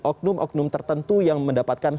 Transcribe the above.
oknum oknum tertentu yang mendapatkan